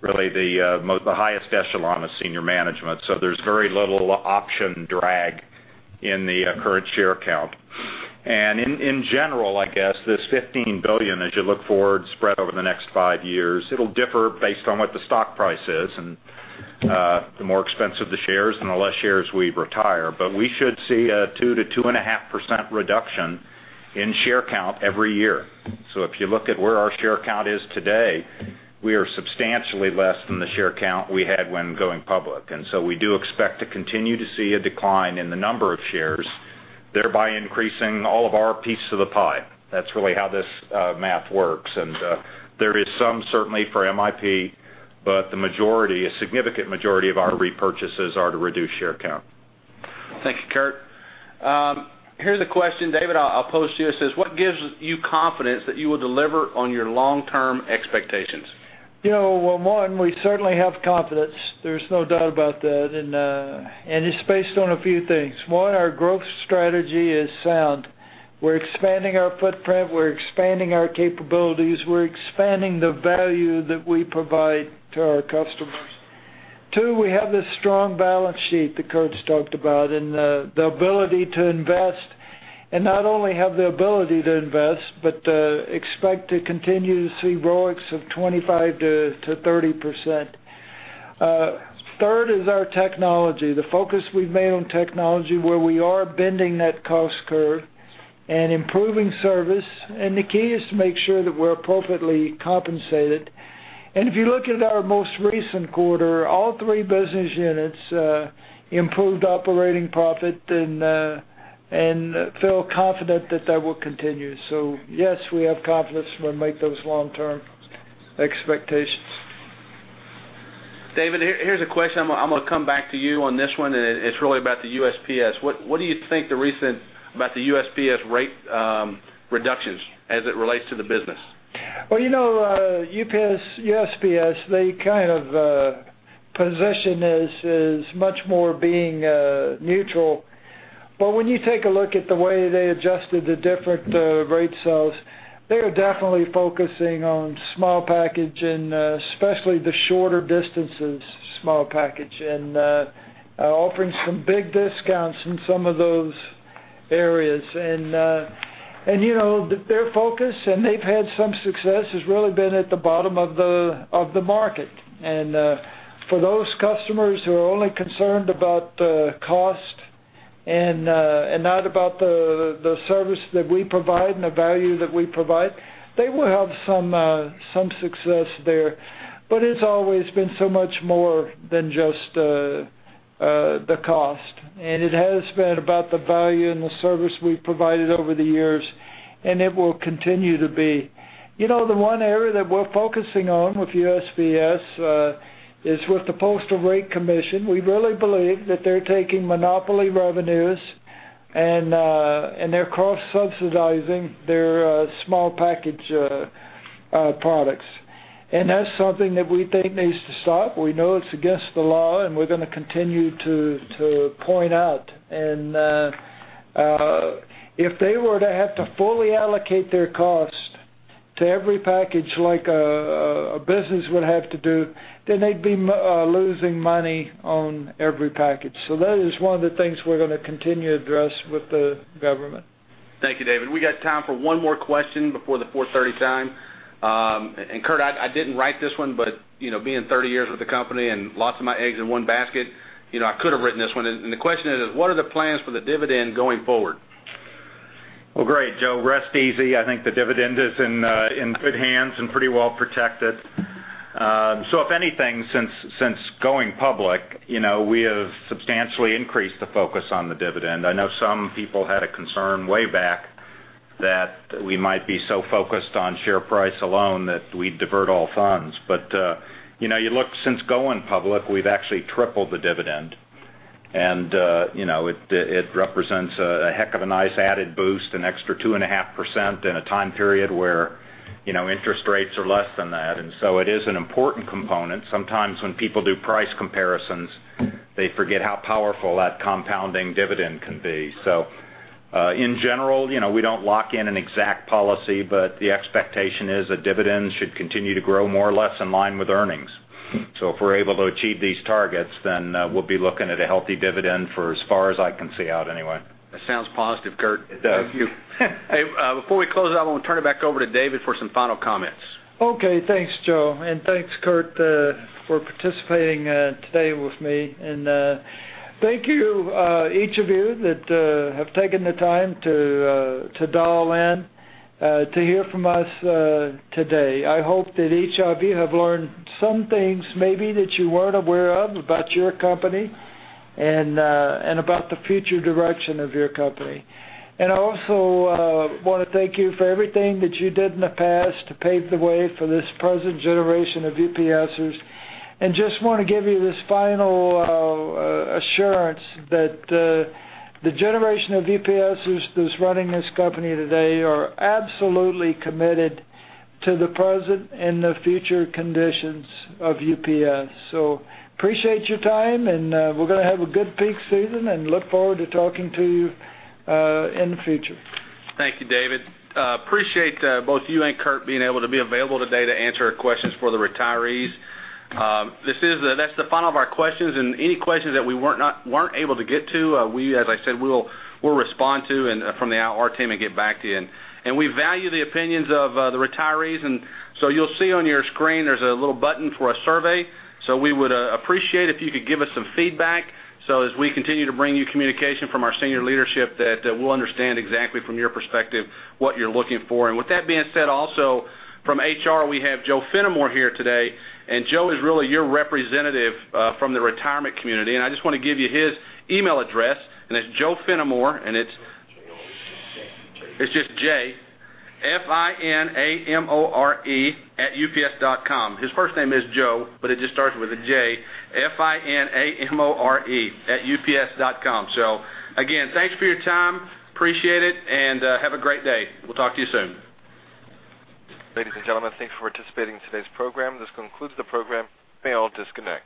really the highest echelon of senior management. So there's very little option drag in the current share count. In general, I guess, this $15 billion, as you look forward, spread over the next 5 years, it'll differ based on what the stock price is. The more expensive the shares, the less shares we retire. But we should see a 2%-2.5% reduction in share count every year. So if you look at where our share count is today, we are substantially less than the share count we had when going public. And so we do expect to continue to see a decline in the number of shares, thereby increasing all of our pieces of the pie. That's really how this math works. And there is some certainty for MIP, but the majority, a significant majority of our repurchases are to reduce share count. Thank you, Kurt. Here's a question, David, I'll pose to you. It says: "What gives you confidence that you will deliver on your long-term expectations? You know, well, one, we certainly have confidence. There's no doubt about that, and, and it's based on a few things. One, our growth strategy is sound. We're expanding our footprint, we're expanding our capabilities, we're expanding the value that we provide to our customers. Two, we have this strong balance sheet that Kurt's talked about, and, the ability to invest, and not only have the ability to invest, but, expect to continue to see ROIC of 25%-30%. Third is our technology, the focus we've made on technology, where we are bending that cost curve and improving service, and the key is to make sure that we're appropriately compensated. And if you look at our most recent quarter, all three business units, improved operating profit and, and feel confident that that will continue. So yes, we have confidence we'll make those long-term expectations. David, here, here's a question. I'm gonna come back to you on this one, and it's really about the USPS. What do you think about the USPS rate reductions as it relates to the business? Well, you know, UPS, USPS, they kind of position as, as much more being neutral. But when you take a look at the way they adjusted the different rate cells, they are definitely focusing on small package and, especially the shorter distances, small package, and, offering some big discounts in some of those areas. And, and, you know, their focus, and they've had some success, has really been at the bottom of the, of the market. And, for those customers who are only concerned about the cost and, and not about the, the service that we provide and the value that we provide, they will have some, some success there. But it's always been so much more than just, the cost, and it has been about the value and the service we've provided over the years, and it will continue to be. You know, the one area that we're focusing on with USPS, is with the Postal Rate Commission. We really believe that they're taking monopoly revenues. And they're cross-subsidizing their small package products. And that's something that we think needs to stop. We know it's against the law, and we're gonna continue to point out. And if they were to have to fully allocate their cost to every package, like a business would have to do, then they'd be losing money on every package. So that is one of the things we're gonna continue to address with the government. Thank you, David. We got time for one more question before the 4:30 time. And Kurt, I didn't write this one, but, you know, being 30 years with the company and lots of my eggs in one basket, you know, I could have written this one. And the question is: "What are the plans for the dividend going forward? Well, great, Joe, rest easy. I think the dividend is in good hands and pretty well protected. So if anything, since going public, you know, we have substantially increased the focus on the dividend. I know some people had a concern way back that we might be so focused on share price alone, that we'd divert all funds. But, you know, you look since going public, we've actually tripled the dividend. And, you know, it represents a heck of a nice added boost, an extra 2.5% in a time period where, you know, interest rates are less than that, and so it is an important component. Sometimes when people do price comparisons, they forget how powerful that compounding dividend can be. So, in general, you know, we don't lock in an exact policy, but the expectation is that dividends should continue to grow more or less in line with earnings. So if we're able to achieve these targets, then, we'll be looking at a healthy dividend for as far as I can see out anyway. That sounds positive, Kurt. It does. Thank you. Hey, before we close out, I want to turn it back over to David for some final comments. Okay, thanks, Joe, and thanks, Kurt, for participating today with me. And thank you each of you that have taken the time to dial in to hear from us today. I hope that each of you have learned some things maybe that you weren't aware of about your company and about the future direction of your company. And I also wanna thank you for everything that you did in the past to pave the way for this present generation of UPSers. And just wanna give you this final assurance that the generation of UPSers who's running this company today are absolutely committed to the present and the future conditions of UPS. So appreciate your time, and we're gonna have a good peak season and look forward to talking to you in the future. Thank you, David. Appreciate both you and Kurt being able to be available today to answer questions for the retirees. This is the final of our questions, and any questions that we weren't able to get to, we, as I said, we'll respond to and from our team and get back to you. And we value the opinions of the retirees, and so you'll see on your screen, there's a little button for a survey. So we would appreciate if you could give us some feedback, so as we continue to bring you communication from our senior leadership, that we'll understand exactly from your perspective what you're looking for. And with that being said, also, from HR, we have Joe Finamore here today, and Joe is really your representative from the retirement community. I just wanna give you his email address, and it's Joe Finamore, and it's- J-O-J- It's just J-F-I-N-A-M-O-R-E @ups.com. His first name is Joe, but it just starts with a J. F-I-N-A-M-O-R-E @ups.com. So again, thanks for your time. Appreciate it, and have a great day. We'll talk to you soon. Ladies and gentlemen, thanks for participating in today's program. This concludes the program. You may all disconnect.